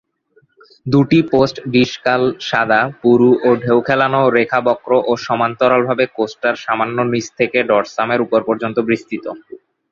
দুটি পোস্ট-ডিসকাল সাদা, পুরু ও ঢেউ খেলানো রেখা বক্র ও সমান্তরালভাবে কোস্টার সামান্য নিচ থেকে ডরসাম-এর উপর পর্যন্ত বিস্তৃত।